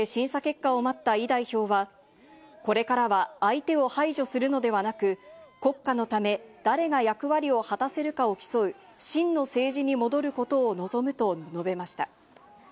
拘置所で審査結果を待ったイ代表は、これからは相手を排除するのではなく、国家のため、誰が役割を果たせるかを競う真の政治に戻ることを望むと述べました。